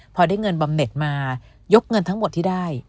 พอได้เงินบำเน็ตมายกเงินทั้งหมดที่ได้